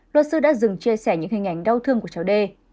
luật sư đã dừng chia sẻ những hình ảnh đau thương của cháu đê